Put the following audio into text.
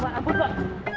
pak ampun pak